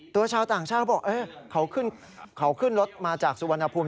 ชาวต่างชาติเขาบอกเขาขึ้นรถมาจากสุวรรณภูมิ